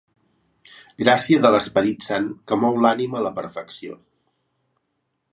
Gràcia de l'Esperit Sant que mou l'ànima a la perfecció.